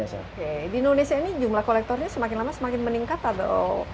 oke di indonesia ini jumlah kolektornya semakin lama semakin meningkat atau